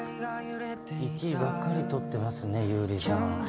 １位ばっかりとってますね、優里さん。